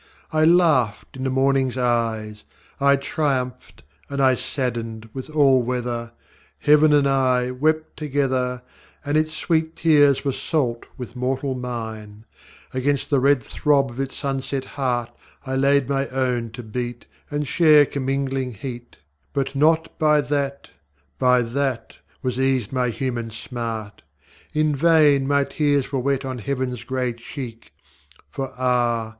I laughed in the morningŌĆÖs eyes. I triumphed and I saddened with all weather, Heaven and I wept together, And its sweet tears were salt with mortal mine; Against the red throb of its sunset heart I laid my own to beat, And share commingling heat; But not by that, by that, was eased my human smart. In vain my tears were wet on HeavenŌĆÖs grey cheek. For ah!